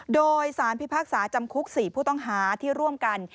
โดยสารพิพากษาจำคุก๔ผู้ต้องหาที่ร่วมกัน